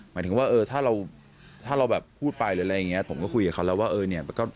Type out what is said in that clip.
หมายถึงว่าเออถ้าเราถ้าเราแบบพูดไปหรืออะไรอย่างนี้ผมก็คุยกับเขาแล้วว่าเออเนี่ย